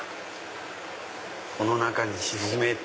この中に沈めて。